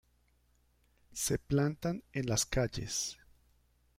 Se plantan en las calles.